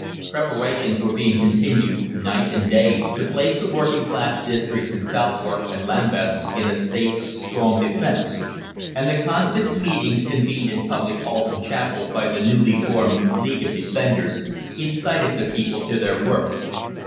Preparations were being continued night and day to place the working class districts in Southwark and Lambeth in a state of strong defence, and the constant meetings convened in public halls and chapels by the newly formed League of Defenders incited the people to their work.